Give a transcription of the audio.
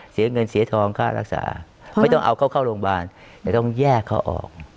เสียเงินเสียทองค่ารักษาไม่ต้องเอาเขาเข้าโรงพยาบาลแต่ต้องแยกเขาออก